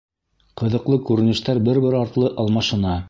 Ҡыҙыҡлы күренештәр бер-бер артлы алмашына.